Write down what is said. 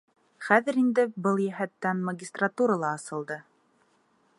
Хәҙер инде был йәһәттән магистратура ла асылды.